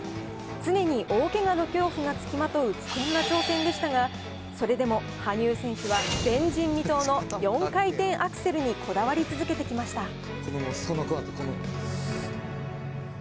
常に大けがの恐怖が付きまとう危険な挑戦でしたが、それでも羽生選手は前人未到の４回転アクセルにこだわり続けてきました。